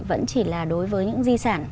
vẫn chỉ là đối với những di sản